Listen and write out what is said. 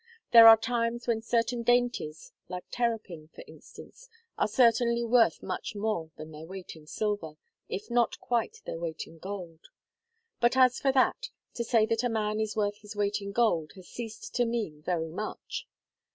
There are times when certain dainties, like terrapin, for instance, are certainly worth much more than their weight in silver, if not quite their weight in gold. But as for that, to say that a man is worth his weight in gold has ceased to mean very much.